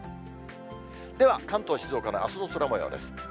では関東、静岡のあすの空もようです。